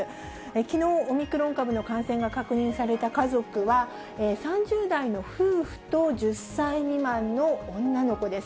きのう、オミクロン株の感染が確認された家族は、３０代の夫婦と１０歳未満の女の子です。